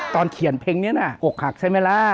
ตอนเขียนเพลงนี้น่ะอกหักใช่ไหมล่ะ